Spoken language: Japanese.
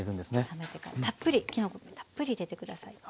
冷めてからたっぷり木の芽たっぷり入れてください。